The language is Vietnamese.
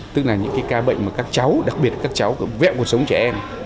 tức là những ca bệnh mà các cháu đặc biệt các cháu vẹo cuộc sống trẻ em